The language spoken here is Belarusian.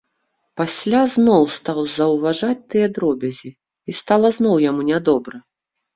Пасля зноў стаў заўважаць тыя дробязі, і стала зноў яму нядобра.